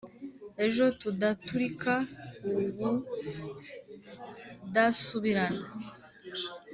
Ejo tudaturika ubudasubirana